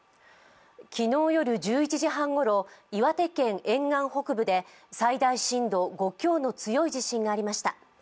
昨日夜１１時半ごろ、岩手県沿岸北部で最大震度５強の強い地震がありました。